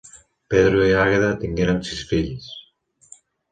Pedro i Àgueda tingueren sis fills.